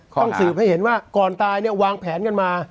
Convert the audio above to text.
ต้องสืบให้เห็นว่าก่อนตายเนี่ยวางแผนกันมา